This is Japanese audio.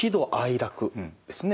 楽ですね